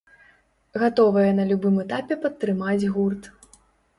Гатовыя на любым этапе падтрымаць гурт.